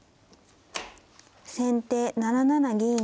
先手７七銀。